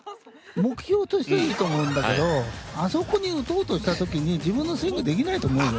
目標としてはいいと思うんだけどあそこに打とうとしたときに自分のスイングできないと思うよ。